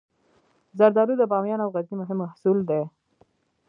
زردالو د بامیان او غزني مهم محصول دی.